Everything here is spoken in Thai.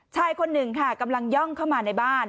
ชายคนหนึ่งค่ะกำลังย่องเข้ามาในบ้าน